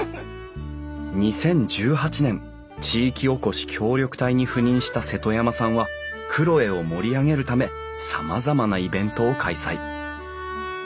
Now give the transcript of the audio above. ２０１８年地域おこし協力隊に赴任した瀬戸山さんは黒江を盛り上げるためさまざまなイベントを開催。